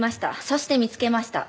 そして見つけました。